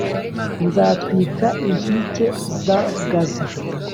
nzatwika inkike za Gaza,